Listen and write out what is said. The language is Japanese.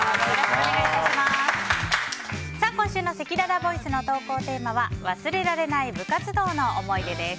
今週のせきららボイスの投稿テーマは忘れられない部活動の思い出です。